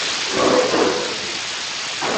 huku kukiwepo mivutano juu ya kiwango ambacho